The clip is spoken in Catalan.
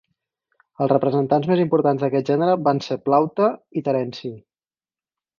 Els representants més importants d'aquest gènere van ser Plaute i Terenci.